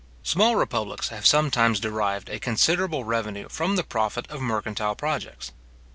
Small republics have sometimes derived a considerable revenue from the profit of mercantile projects.